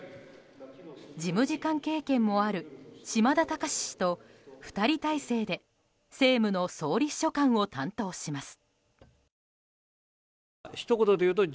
事務次官経験もある嶋田隆氏と、２人態勢で政務の総理秘書官を担当します。